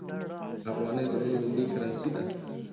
افغانۍ زموږ ملي کرنسي ده.